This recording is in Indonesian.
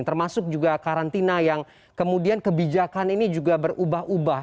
termasuk juga karantina yang kemudian kebijakan ini juga berubah ubah